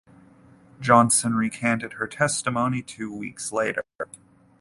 Johnson recanted her testimony two weeks later.